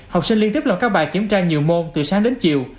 học sinh liên tiếp làm các bài kiểm tra nhiều môn từ sáng đến chiều